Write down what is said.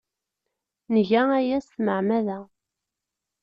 Nga aya s tmeɛmada.